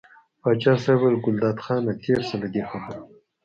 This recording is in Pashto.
پاچا صاحب وویل ګلداد خانه تېر شه له دې خبرو.